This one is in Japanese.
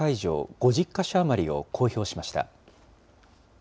５０か所余りを公表しました。